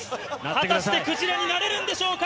果たしてクジラになれるんでしょうか。